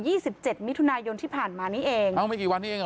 ยี่สิบเจ็ดมิถุนะยนต์ที่ผ่านมานี้เองเอาไม่คิดวันจะขอ